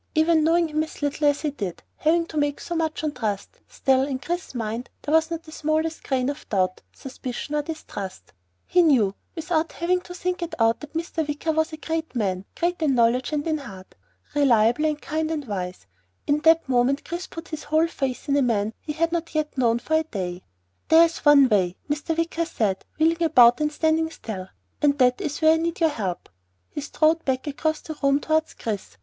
Even knowing him as little as he did, having to take so much on trust, still, in Chris's mind there was no smallest grain of doubt, suspicion, or distrust. He knew, without having to think it out, that Mr. Wicker was a great man, great in knowledge and in heart. Reliable and kind and wise. In that moment Chris put his whole faith in a man he had not known yet for a day. "There is one way," Mr. Wicker said, wheeling about and standing still, "and that is where I need your help." He strode back across the room towards Chris.